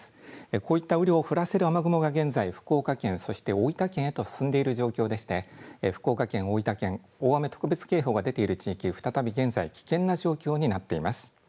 こういった雨量を降らせる雨雲が現在、福岡県そして大分県へと進んでいる状況でして福岡県、大分県、大雨特別警報が出ている地域、再び現在、危険な状況になっています。